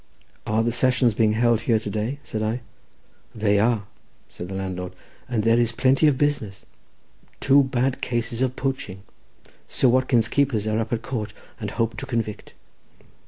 "Are the sessions being held here to day?" said I. "They are," said the landlord, "and there is plenty of business; two bad cases of poaching. Sir Watkin's keepers are up at court, and hope to convict."